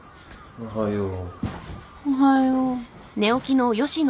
おはよう。